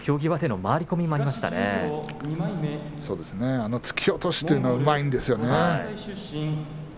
徳勝龍は突き落としというのがうまいんですよね。